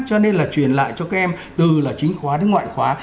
cho nên là truyền lại cho các em từ là chính khóa đến ngoại khóa